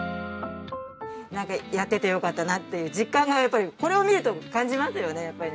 やっててよかったなっていう実感がやっぱりこれを見ると感じますよねやっぱりね。